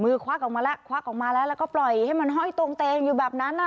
ควักออกมาแล้วควักออกมาแล้วแล้วก็ปล่อยให้มันห้อยตรงเตงอยู่แบบนั้น